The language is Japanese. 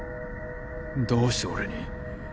どうして俺に